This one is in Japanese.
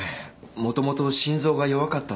もともと心臓が弱かったんですよ。